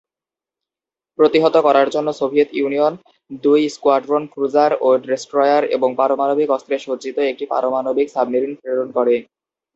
প্রতিহত করার জন্য সোভিয়েত ইউনিয়ন দুই স্কোয়াড্রন ক্রুজার ও ডেস্ট্রয়ার এবং পারমাণবিক অস্ত্রে সজ্জিত একটি পারমাণবিক সাবমেরিন প্রেরণ করে।